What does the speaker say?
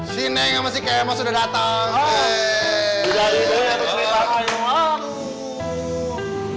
si neng sama si kemo sudah datang